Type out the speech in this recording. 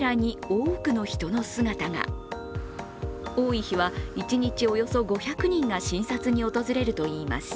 多い日は一日およそ５００人が診察に訪れるといいます。